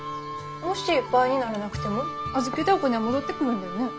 もし倍にならなくても預けたお金は戻ってくるんだよね？